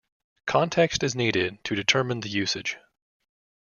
Context is needed to determine the usage.